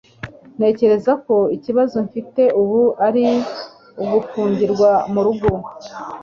Ntekereza ko ikibazo mfite ubu ari ugufungirwa murugo